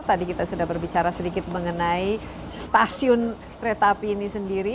tadi kita sudah berbicara sedikit mengenai stasiun kereta api ini sendiri